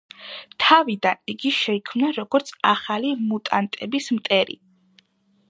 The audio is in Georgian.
თავიდან იგი შეიქმნა როგორც ახალი მუტანტების მტერი.